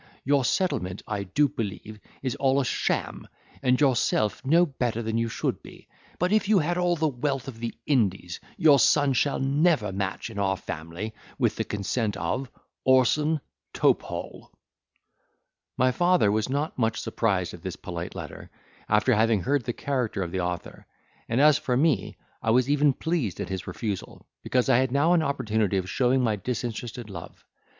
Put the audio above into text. Your settlement, I do believe, is all a sham, and yourself no better than you should be; but if you had all the wealth of the Indies, your son shall never match in our family with the consent of "Orson Topehall" My father was not much surprised at this polite letter, after having heard the character of the author; and as for me, I was even pleased at his refusal, because I had now an opportunity of showing my disinterested love.